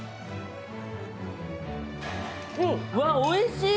うわ、おいしい！